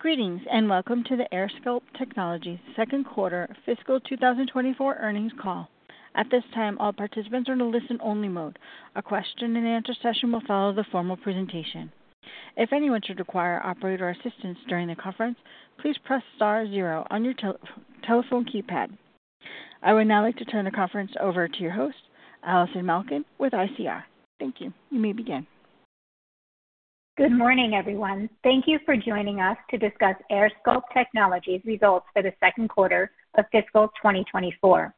Greetings, and welcome to the AirSculpt Technologies second quarter fiscal 2024 earnings call. At this time, all participants are in a listen-only mode. A question and answer session will follow the formal presentation. If anyone should require operator assistance during the conference, please press star zero on your telephone keypad. I would now like to turn the conference over to your host, Allison Malkin, with ICR. Thank you. You may begin. Good morning, everyone. Thank you for joining us to discuss AirSculpt Technologies' results for the second quarter of fiscal 2024.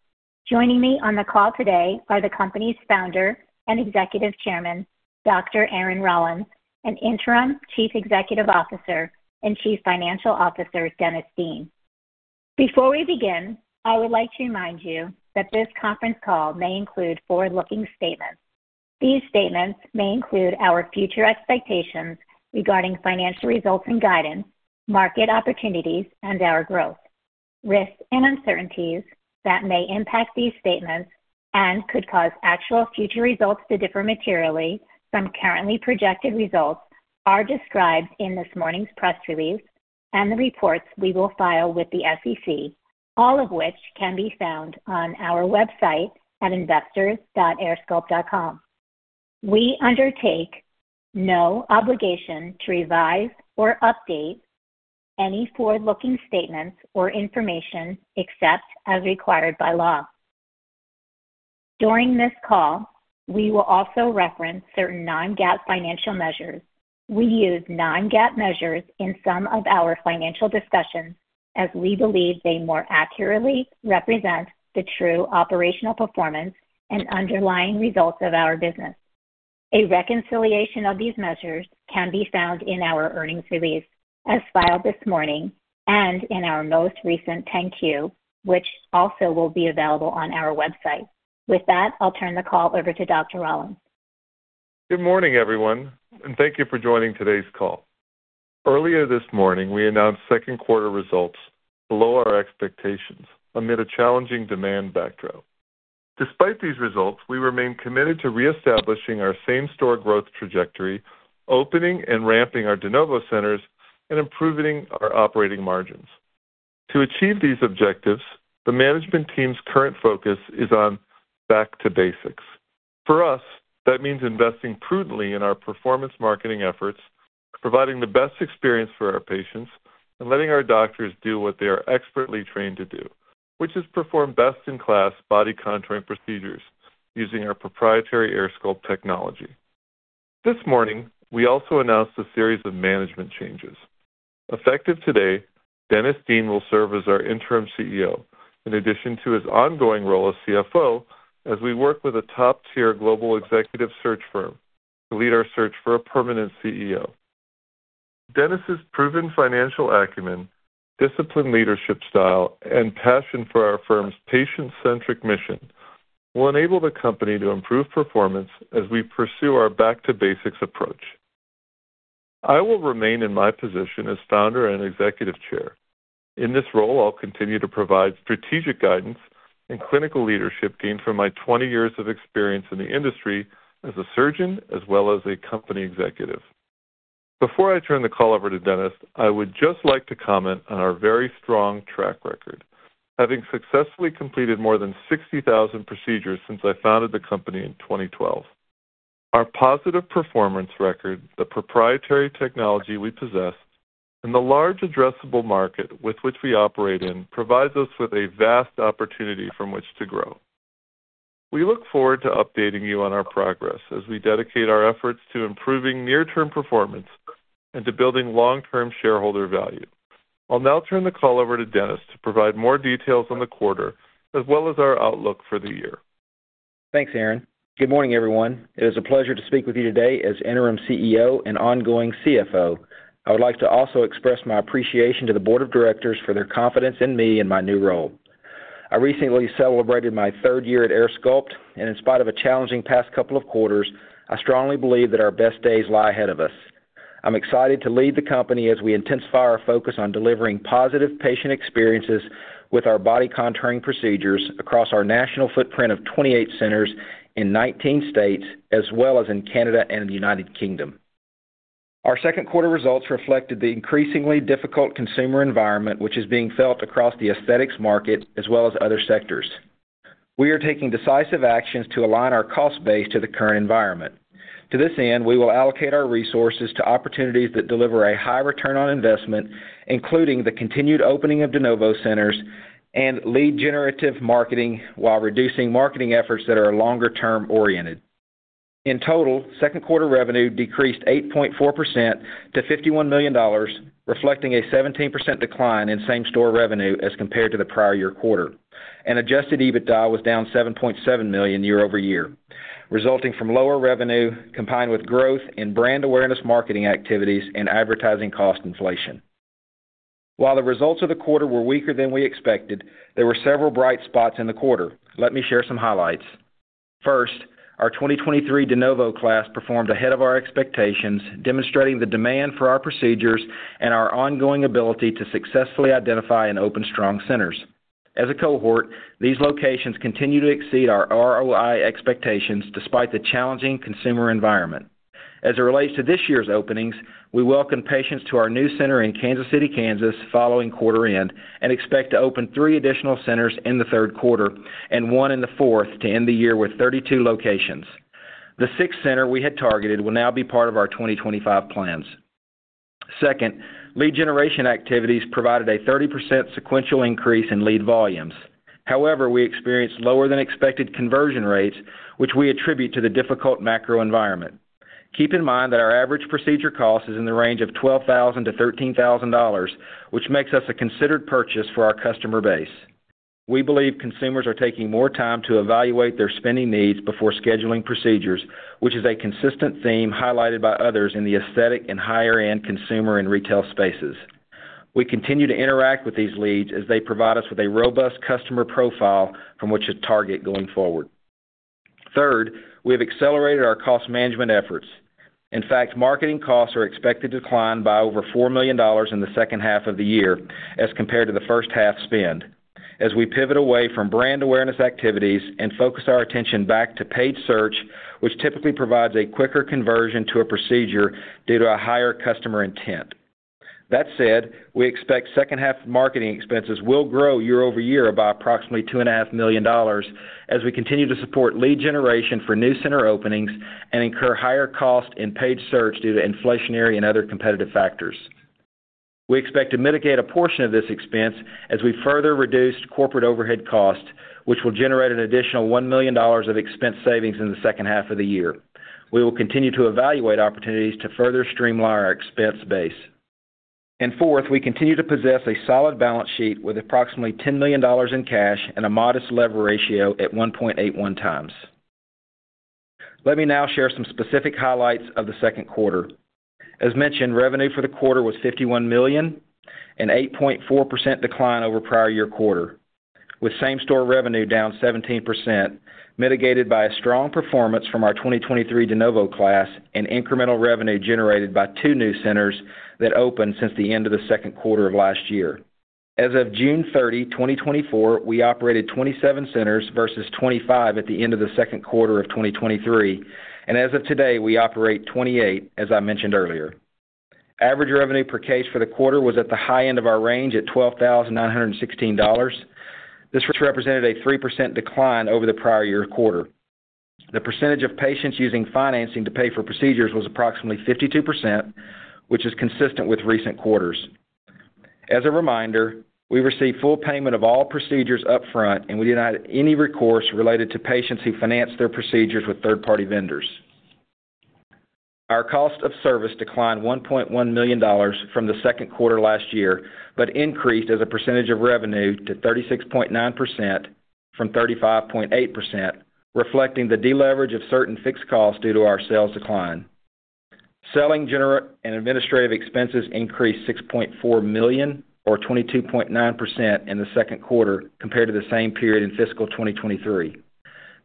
Joining me on the call today are the company's Founder and Executive Chairman, Dr. Aaron Rollins, and Interim Chief Executive Officer and Chief Financial Officer, Dennis Dean. Before we begin, I would like to remind you that this conference call may include forward-looking statements. These statements may include our future expectations regarding financial results and guidance, market opportunities, and our growth. Risks and uncertainties that may impact these statements and could cause actual future results to differ materially from currently projected results are described in this morning's press release and the reports we will file with the SEC, all of which can be found on our website at investors.airsculpt.com. We undertake no obligation to revise or update any forward-looking statements or information except as required by law. During this call, we will also reference certain non-GAAP financial measures. We use non-GAAP measures in some of our financial discussions as we believe they more accurately represent the true operational performance and underlying results of our business. A reconciliation of these measures can be found in our earnings release, as filed this morning, and in our most recent 10-Q, which also will be available on our website. With that, I'll turn the call over to Dr. Rollins. Good morning, everyone, and thank you for joining today's call. Earlier this morning, we announced second quarter results below our expectations amid a challenging demand backdrop. Despite these results, we remain committed to reestablishing our same-store growth trajectory, opening and ramping our de novo centers, and improving our operating margins. To achieve these objectives, the management team's current focus is on back to basics. For us, that means investing prudently in our performance marketing efforts, providing the best experience for our patients, and letting our doctors do what they are expertly trained to do, which is perform best-in-class body contouring procedures using our proprietary AirSculpt technology. This morning, we also announced a series of management changes. Effective today, Dennis Dean will serve as our Interim CEO, in addition to his ongoing role as CFO, as we work with a top-tier global executive search firm to lead our search for a permanent CEO. Dennis's proven financial acumen, disciplined leadership style, and passion for our firm's patient-centric mission will enable the company to improve performance as we pursue our back-to-basics approach. I will remain in my position as founder and Executive Chair. In this role, I'll continue to provide strategic guidance and clinical leadership gained from my 20 years of experience in the industry as a surgeon as well as a company executive. Before I turn the call over to Dennis, I would just like to comment on our very strong track record, having successfully completed more than 60,000 procedures since I founded the company in 2012. Our positive performance record, the proprietary technology we possess, and the large addressable market with which we operate in, provides us with a vast opportunity from which to grow. We look forward to updating you on our progress as we dedicate our efforts to improving near-term performance and to building long-term shareholder value. I'll now turn the call over to Dennis to provide more details on the quarter, as well as our outlook for the year. Thanks, Aaron. Good morning, everyone. It is a pleasure to speak with you today as Interim CEO and ongoing CFO. I would like to also express my appreciation to the board of directors for their confidence in me in my new role. I recently celebrated my third year at AirSculpt, and in spite of a challenging past couple of quarters, I strongly believe that our best days lie ahead of us. I'm excited to lead the company as we intensify our focus on delivering positive patient experiences with our body contouring procedures across our national footprint of 28 centers in 19 states, as well as in Canada and the United Kingdom. Our second quarter results reflected the increasingly difficult consumer environment, which is being felt across the aesthetics market as well as other sectors. We are taking decisive actions to align our cost base to the current environment. To this end, we will allocate our resources to opportunities that deliver a high return on investment, including the continued opening of de novo centers and lead generative marketing, while reducing marketing efforts that are longer-term oriented. In total, second quarter revenue decreased 8.4% to $51 million, reflecting a 17% decline in same-store revenue as compared to the prior year quarter. Adjusted EBITDA was down $7.7 million year-over-year, resulting from lower revenue, combined with growth in brand awareness marketing activities and advertising cost inflation. While the results of the quarter were weaker than we expected, there were several bright spots in the quarter. Let me share some highlights. First, our 2023 de novo class performed ahead of our expectations, demonstrating the demand for our procedures and our ongoing ability to successfully identify and open strong centers. ... As a cohort, these locations continue to exceed our ROI expectations despite the challenging consumer environment. As it relates to this year's openings, we welcome patients to our new center in Kansas City, Kansas, following quarter-end, and expect to open three additional centers in the third quarter and 1 in the fourth to end the year with 32 locations. The sixth center we had targeted will now be part of our 2025 plans. Second, lead generation activities provided a 30% sequential increase in lead volumes. However, we experienced lower than expected conversion rates, which we attribute to the difficult macro environment. Keep in mind that our average procedure cost is in the range of $12,000-$13,000, which makes us a considered purchase for our customer base. We believe consumers are taking more time to evaluate their spending needs before scheduling procedures, which is a consistent theme highlighted by others in the aesthetic and higher-end consumer and retail spaces. We continue to interact with these leads as they provide us with a robust customer profile from which to target going forward. Third, we have accelerated our cost management efforts. In fact, marketing costs are expected to decline by over $4 million in the second half of the year as compared to the first half spend, as we pivot away from brand awareness activities and focus our attention back to paid search, which typically provides a quicker conversion to a procedure due to a higher customer intent. That said, we expect second half marketing expenses will grow year-over-year by approximately $2.5 million, as we continue to support lead generation for new center openings and incur higher costs in paid search due to inflationary and other competitive factors. We expect to mitigate a portion of this expense as we further reduce corporate overhead costs, which will generate an additional $1 million of expense savings in the second half of the year. We will continue to evaluate opportunities to further streamline our expense base. And fourth, we continue to possess a solid balance sheet with approximately $10 million in cash and a modest lever ratio at 1.81x. Let me now share some specific highlights of the second quarter. As mentioned, revenue for the quarter was $51 million, an 8.4% decline over prior-year quarter, with same-store revenue down 17%, mitigated by a strong performance from our 2023 de novo class and incremental revenue generated by two new centers that opened since the end of the second quarter of last year. As of June 30, 2024, we operated 27 centers versus 25 at the end of the second quarter of 2023, and as of today, we operate 28, as I mentioned earlier. Average revenue per case for the quarter was at the high end of our range, at $12,916. This represented a 3% decline over the prior-year quarter. The percentage of patients using financing to pay for procedures was approximately 52%, which is consistent with recent quarters. As a reminder, we receive full payment of all procedures upfront, and we do not have any recourse related to patients who finance their procedures with third-party vendors. Our cost of service declined $1.1 million from the second quarter last year, but increased as a percentage of revenue to 36.9% from 35.8%, reflecting the deleverage of certain fixed costs due to our sales decline. Selling, general and administrative expenses increased $6.4 million, or 22.9% in the second quarter compared to the same period in fiscal 2023.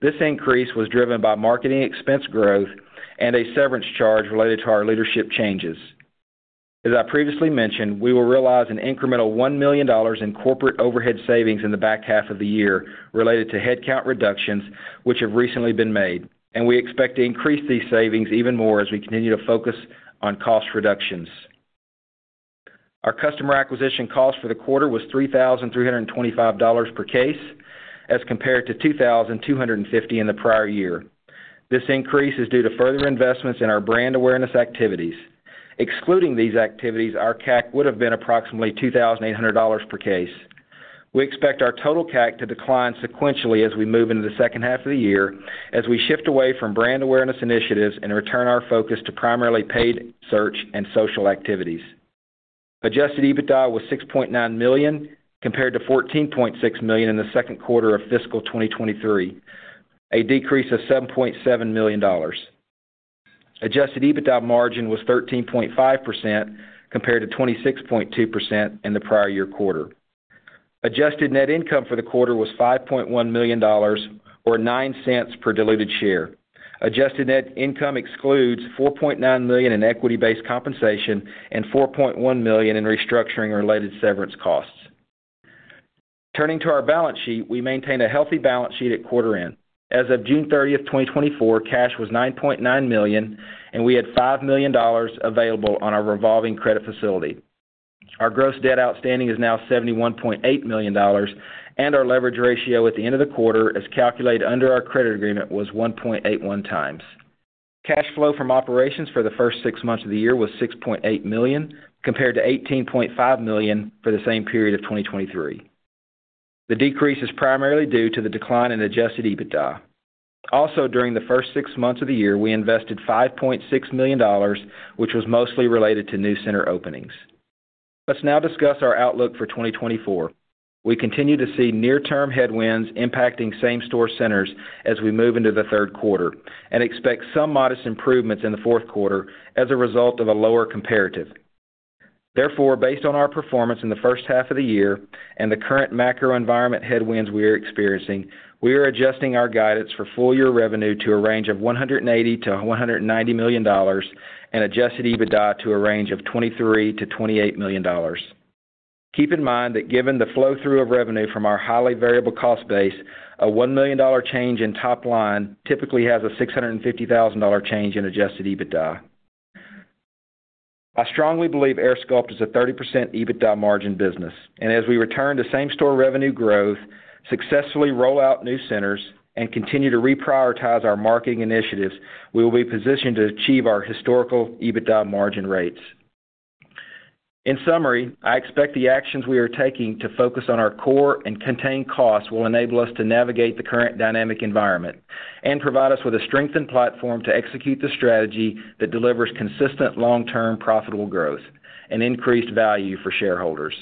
This increase was driven by marketing expense growth and a severance charge related to our leadership changes. As I previously mentioned, we will realize an incremental $1 million in corporate overhead savings in the back half of the year related to headcount reductions, which have recently been made, and we expect to increase these savings even more as we continue to focus on cost reductions. Our customer acquisition cost for the quarter was $3,325 per case, as compared to $2,250 in the prior year. This increase is due to further investments in our brand awareness activities. Excluding these activities, our CAC would have been approximately $2,800 per case. We expect our total CAC to decline sequentially as we move into the second half of the year, as we shift away from brand awareness initiatives and return our focus to primarily paid search and social activities. Adjusted EBITDA was $6.9 million, compared to $14.6 million in the second quarter of fiscal 2023, a decrease of $7.7 million. Adjusted EBITDA margin was 13.5%, compared to 26.2% in the prior year quarter. Adjusted net income for the quarter was $5.1 million, or $0.09 per diluted share. Adjusted net income excludes $4.9 million in equity-based compensation and $4.1 million in restructuring related severance costs. Turning to our balance sheet, we maintained a healthy balance sheet at quarter end. As of June 30th, 2024, cash was $9.9 million, and we had $5 million available on our revolving credit facility. Our gross debt outstanding is now $71.8 million, and our leverage ratio at the end of the quarter, as calculated under our credit agreement, was 1.81x. Cash flow from operations for the first six months of the year was $6.8 million, compared to $18.5 million for the same period of 2023. The decrease is primarily due to the decline in Adjusted EBITDA. Also, during the first six months of the year, we invested $5.6 million, which was mostly related to new center openings. Let's now discuss our outlook for 2024. We continue to see near-term headwinds impacting same-store centers as we move into the third quarter and expect some modest improvements in the fourth quarter as a result of a lower comparative. Therefore, based on our performance in the first half of the year and the current macro environment headwinds we are experiencing, we are adjusting our guidance for full-year revenue to a range of $180 million-$190 million and Adjusted EBITDA to a range of $23 million-$28 million. Keep in mind that given the flow-through of revenue from our highly variable cost base, a $1 million change in top line typically has a $650,000 change in Adjusted EBITDA. I strongly believe AirSculpt is a 30% EBITDA margin business, and as we return to same-store revenue growth, successfully roll out new centers, and continue to reprioritize our marketing initiatives, we will be positioned to achieve our historical EBITDA margin rates. In summary, I expect the actions we are taking to focus on our core and contain costs will enable us to navigate the current dynamic environment and provide us with a strengthened platform to execute the strategy that delivers consistent long-term profitable growth and increased value for shareholders.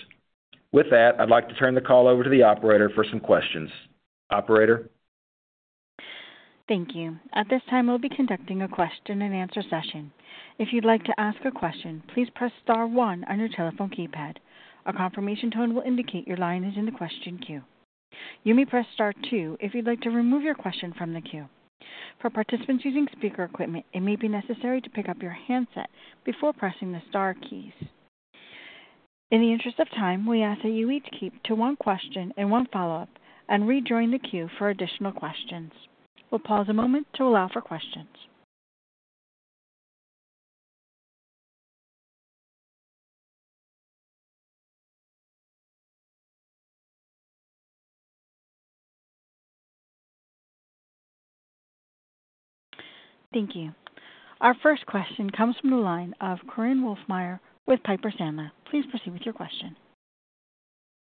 With that, I'd like to turn the call over to the operator for some questions. Operator? Thank you. At this time, we'll be conducting a question-and-answer session. If you'd like to ask a question, please press star one on your telephone keypad. A confirmation tone will indicate your line is in the question queue. You may press star two if you'd like to remove your question from the queue. For participants using speaker equipment, it may be necessary to pick up your handset before pressing the star keys. In the interest of time, we ask that you each keep to one question and one follow-up and rejoin the queue for additional questions. We'll pause a moment to allow for questions. Thank you. Our first question comes from the line of Korinne Wolfmeyer with Piper Sandler. Please proceed with your question.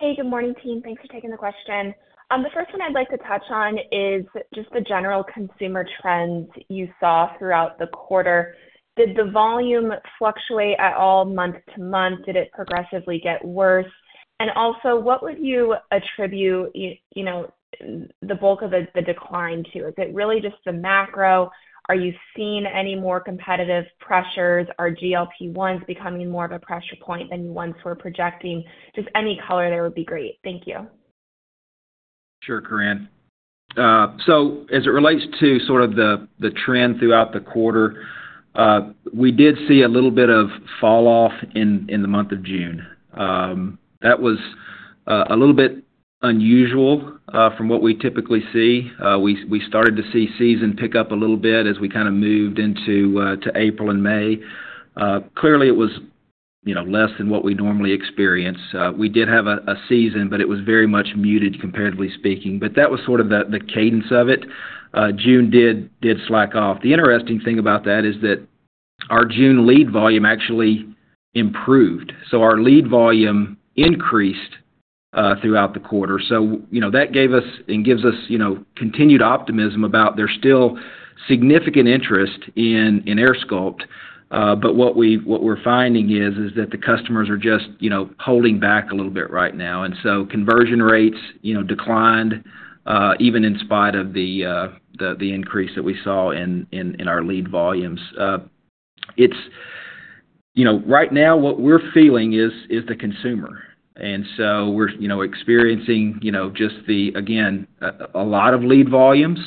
Hey, good morning, team. Thanks for taking the question. The first one I'd like to touch on is just the general consumer trends you saw throughout the quarter. Did the volume fluctuate at all month-to-month? Did it progressively get worse? And also, what would you attribute, you know, the bulk of the decline to? Is it really just the macro? Are you seeing any more competitive pressures? Are GLP-1s becoming more of a pressure point than you once were projecting? Just any color there would be great. Thank you. Sure, Korinne. So as it relates to sort of the, the trend throughout the quarter, we did see a little bit of falloff in, in the month of June. That was a little bit unusual, from what we typically see. We, we started to see season pick up a little bit as we kinda moved into, to April and May. Clearly, it was, you know, less than what we normally experience. We did have a, a season, but it was very much muted, comparatively speaking. But that was sort of the, the cadence of it. June did, did slack off. The interesting thing about that is that our June lead volume actually improved, so our lead volume increased, throughout the quarter. So, you know, that gave us and gives us, you know, continued optimism about there's still significant interest in AirSculpt. But what we're finding is that the customers are just, you know, holding back a little bit right now, and so conversion rates, you know, declined, even in spite of the increase that we saw in our lead volumes. It's... You know, right now what we're feeling is the consumer, and so we're, you know, experiencing, you know, just the, again, a lot of lead volumes,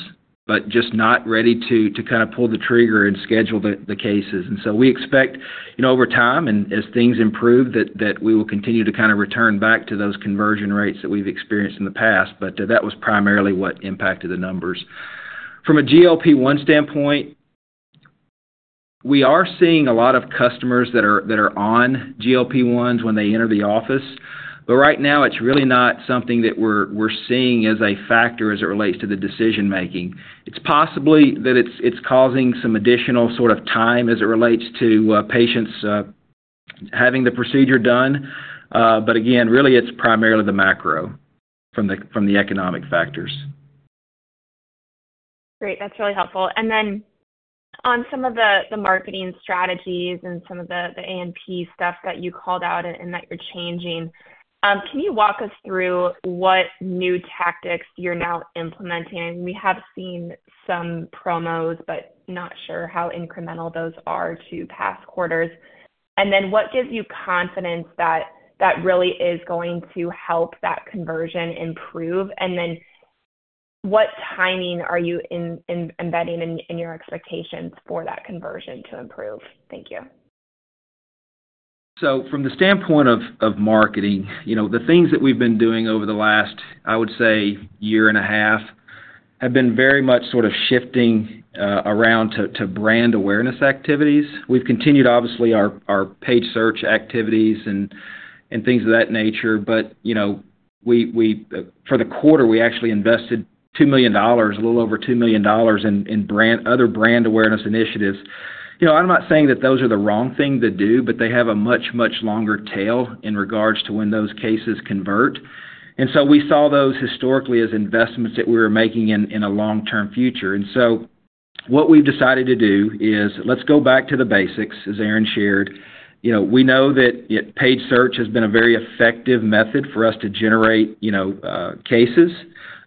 but just not ready to kind of pull the trigger and schedule the cases. And so we expect, you know, over time and as things improve, that we will continue to kind of return back to those conversion rates that we've experienced in the past, but that was primarily what impacted the numbers. From a GLP-1 standpoint, we are seeing a lot of customers that are on GLP-1s when they enter the office, but right now, it's really not something that we're seeing as a factor as it relates to the decision making. It's possibly that it's causing some additional sort of time as it relates to patients having the procedure done, but again, really, it's primarily the macro from the economic factors. Great. That's really helpful. And then on some of the marketing strategies and some of the A&P stuff that you called out and that you're changing, can you walk us through what new tactics you're now implementing? We have seen some promos, but not sure how incremental those are to past quarters. And then what gives you confidence that that really is going to help that conversion improve? And then what timing are you embedding in your expectations for that conversion to improve? Thank you. So from the standpoint of marketing, you know, the things that we've been doing over the last, I would say, year and a half, have been very much sort of shifting around to brand awareness activities. We've continued, obviously, our paid search activities and things of that nature, but, you know, we for the quarter, we actually invested $2 million, a little over $2 million in other brand awareness initiatives. You know, I'm not saying that those are the wrong thing to do, but they have a much, much longer tail in regards to when those cases convert. And so we saw those historically as investments that we were making in a long-term future. And so what we've decided to do is, let's go back to the basics, as Aaron shared. You know, we know that paid search has been a very effective method for us to generate, you know, cases.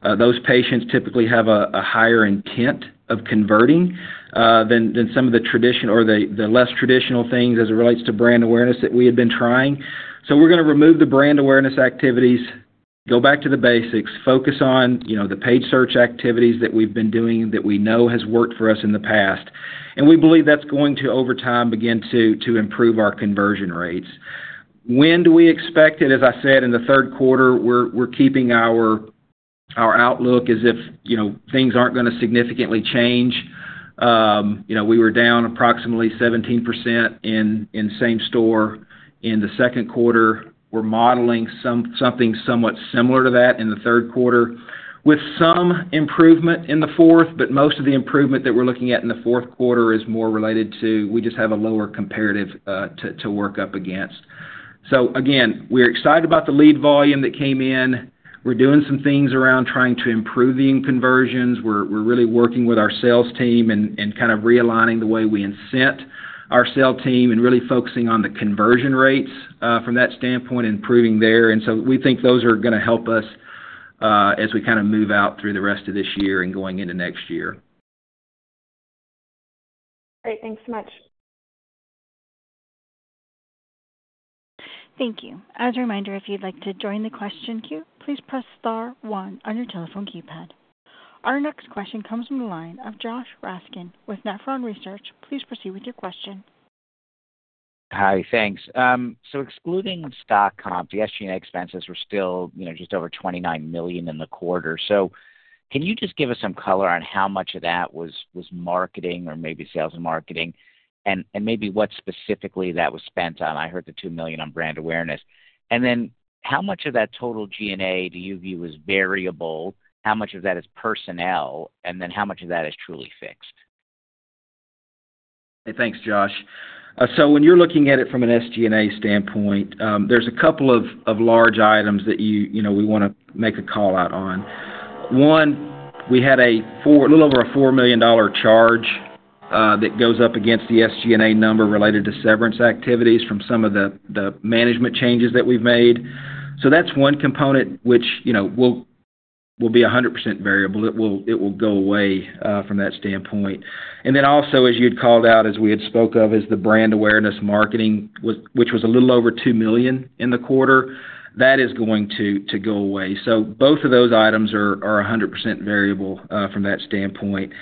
Those patients typically have a higher intent of converting than some of the traditional or the less traditional things as it relates to brand awareness that we had been trying. So we're gonna remove the brand awareness activities.... Go back to the basics, focus on, you know, the paid search activities that we've been doing, that we know has worked for us in the past, and we believe that's going to, over time, begin to improve our conversion rates. When do we expect it? As I said, in the third quarter, we're keeping our outlook as if, you know, things aren't gonna significantly change. You know, we were down approximately 17% in same-store in the second quarter. We're modeling something somewhat similar to that in the third quarter, with some improvement in the fourth. But most of the improvement that we're looking at in the fourth quarter is more related to, we just have a lower comparative to work up against. So again, we're excited about the lead volume that came in. We're doing some things around trying to improve the conversions. We're really working with our sales team and kind of realigning the way we incent our sales team and really focusing on the conversion rates from that standpoint, improving there. And so we think those are gonna help us as we kind of move out through the rest of this year and going into next year. Great, thanks so much. Thank you. As a reminder, if you'd like to join the question queue, please press star one on your telephone keypad. Our next question comes from the line of Josh Raskin with Nephron Research. Please proceed with your question. Hi, thanks. So excluding stock comp, the SG&A expenses were still, you know, just over $29 million in the quarter. So can you just give us some color on how much of that was marketing or maybe sales and marketing? And maybe what specifically that was spent on. I heard the $2 million on brand awareness. And then how much of that total G&A do you view as variable, how much of that is personnel, and then how much of that is truly fixed? Thanks, Josh. So when you're looking at it from an SG&A standpoint, there's a couple of large items that you know we wanna make a call out on. One, we had a little over a $4 million charge that goes up against the SG&A number related to severance activities from some of the management changes that we've made. So that's one component which you know will be 100% variable. It will go away from that standpoint. And then also, as you'd called out, as we had spoke of, is the brand awareness marketing, which was a little over $2 million in the quarter. That is going to go away. So both of those items are 100% variable from that standpoint.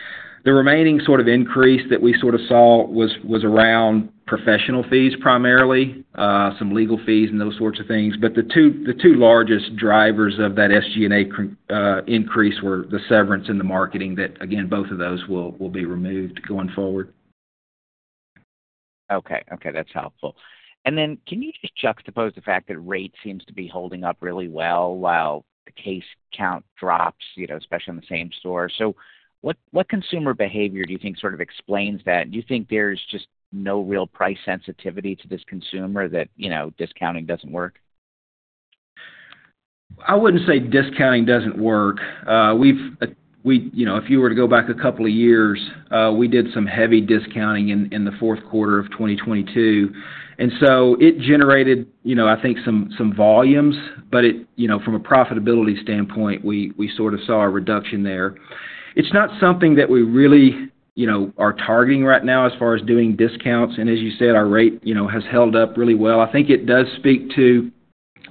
The remaining sort of increase that we sort of saw was around professional fees, primarily some legal fees and those sorts of things. But the two largest drivers of that SG&A increase were the severance and the marketing that, again, both of those will be removed going forward. Okay. Okay, that's helpful. And then, can you just juxtapose the fact that rate seems to be holding up really well while the case count drops, you know, especially in the same store? So what, what consumer behavior do you think sort of explains that? Do you think there's just no real price sensitivity to this consumer that, you know, discounting doesn't work? I wouldn't say discounting doesn't work. We've, you know, if you were to go back a couple of years, we did some heavy discounting in the fourth quarter of 2022, and so it generated, you know, I think, some volumes, but it, you know, from a profitability standpoint, we sort of saw a reduction there. It's not something that we really, you know, are targeting right now as far as doing discounts, and as you said, our rate, you know, has held up really well. I think it does speak to,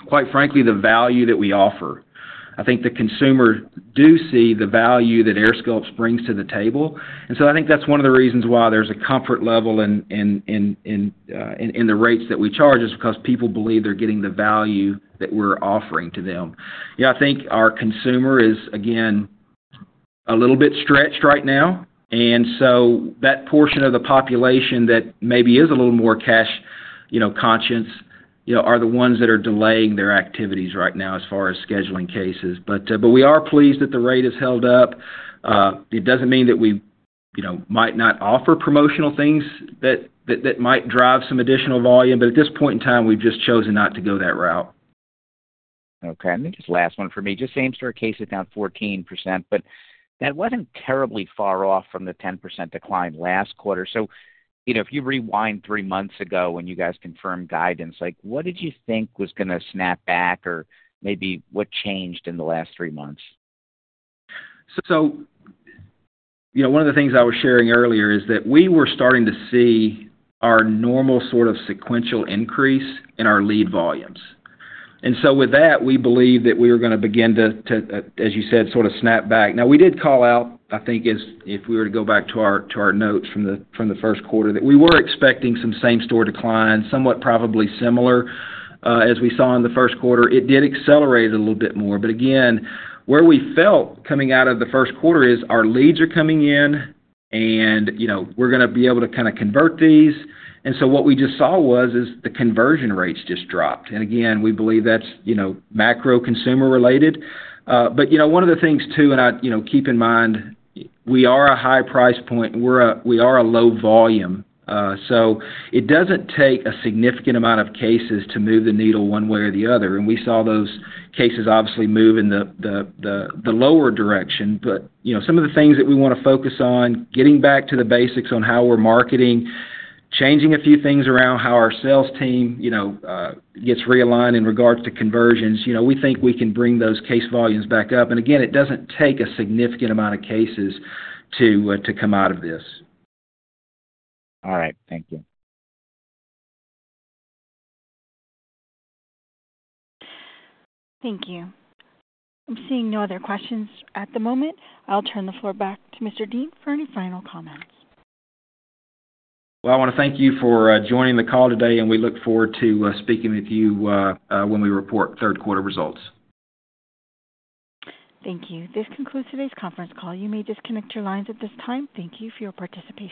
quite frankly, the value that we offer. I think the consumer do see the value that AirSculpt brings to the table, and so I think that's one of the reasons why there's a comfort level in the rates that we charge, is because people believe they're getting the value that we're offering to them. Yeah, I think our consumer is, again, a little bit stretched right now, and so that portion of the population that maybe is a little more cash, you know, conscious, you know, are the ones that are delaying their activities right now as far as scheduling cases. But we are pleased that the rate has held up. It doesn't mean that we, you know, might not offer promotional things that might drive some additional volume, but at this point in time, we've just chosen not to go that route. Okay, I think this is the last one for me. Just same-store cases, down 14%, but that wasn't terribly far off from the 10% decline last quarter. So, you know, if you rewind three months ago when you guys confirmed guidance, like, what did you think was gonna snap back? Or maybe what changed in the last three months? So, you know, one of the things I was sharing earlier is that we were starting to see our normal sort of sequential increase in our lead volumes. And so with that, we believe that we are gonna begin to, as you said, sort of snap back. Now, we did call out, I think, as if we were to go back to our notes from the first quarter, that we were expecting some same-store declines, somewhat probably similar, as we saw in the first quarter. It did accelerate it a little bit more, but again, where we felt coming out of the first quarter is, our leads are coming in and, you know, we're gonna be able to kinda convert these. And so what we just saw was the conversion rates just dropped. And again, we believe that's, you know, macro consumer related. But, you know, one of the things, too, and I... You know, keep in mind, we are a high price point, and we're a, we are a low volume, so it doesn't take a significant amount of cases to move the needle one way or the other. And we saw those cases obviously move in the lower direction. But, you know, some of the things that we wanna focus on, getting back to the basics on how we're marketing, changing a few things around, how our sales team, you know, gets realigned in regards to conversions. You know, we think we can bring those case volumes back up. And again, it doesn't take a significant amount of cases to come out of this. All right. Thank you. Thank you. I'm seeing no other questions at the moment. I'll turn the floor back to Mr. Dean for any final comments. Well, I wanna thank you for joining the call today, and we look forward to speaking with you when we report third quarter results. Thank you. This concludes today's conference call. You may disconnect your lines at this time. Thank you for your participation.